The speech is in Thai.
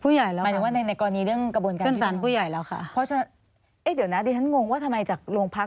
ผู้ใหญ่แล้วครับเพราะฉะนั้นเนี่ยฉันงงว่าทำไมจากโรงพัก